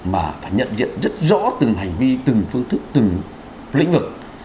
mà phải nhận diện rất rõ từng hành vi từng phương thức từng lĩnh vực